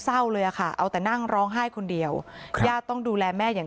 เศร้าเลยอะค่ะเอาแต่นั่งร้องไห้คนเดียวญาติต้องดูแลแม่อย่าง